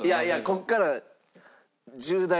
ここから？